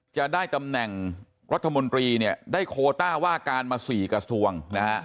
จะได้ตำแหน่งรัฐมนตรีเนี่ยได้โคต้าว่าการมา๔กระทรวงนะฮะ